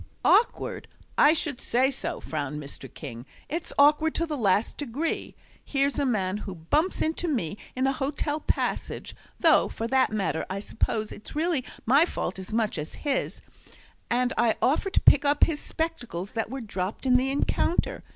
"Awkward? I should say so," frowned Mr. King; "it's awkward to the last degree. Here's a man who bumps into me in a hotel passage, though, for that matter, I suppose it's really my fault as much as his, and I offer to pick up his spectacles that were dropped in the encounter.